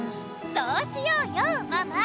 そうしようよママ。